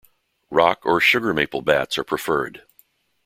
Rock or Sugar Maple bats are preferred.